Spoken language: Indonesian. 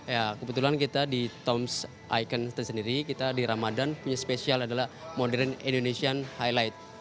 ya kebetulan kita di tom s icon sendiri kita di ramadan punya spesial adalah modern indonesian highlight